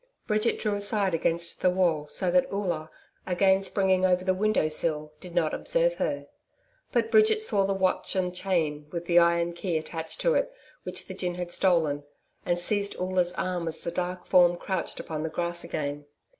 Bridget drew aside against the wall, so that Oola, again springing over the window sill, did not observe her. But Bridget saw the watch and chain with the iron key attached to it which the gin had stolen, and seized Oola's arm as the dark form crouched upon the grass again.